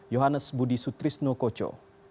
yohannes budi sutrisno koco